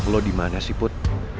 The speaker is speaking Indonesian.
lo dimana sih put